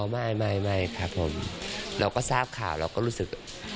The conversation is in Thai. ไม่ครับผมเราก็ทราบข่าวเราก็รู้สึก